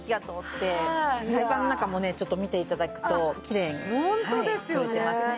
フライパンの中もねちょっと見て頂くときれいに取れてますね。